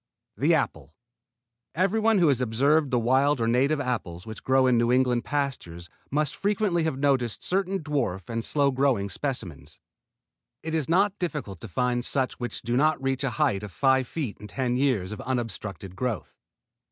THE APPLE Everyone who has observed the wild or native apples which grow in New England pastures must frequently have noticed certain dwarf and slow growing specimens. It it not difficult to find such which do not reach a height of five feet in ten years of unobstructed growth.